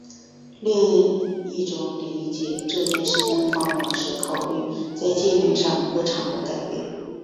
另一种理解这件事的方法是考虑在界面上波长的改变。